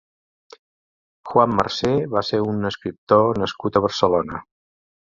Juan Marsé va ser un escriptor nascut a Barcelona.